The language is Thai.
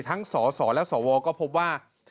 ทั้งสสสและสวรรค์ก็พบว่า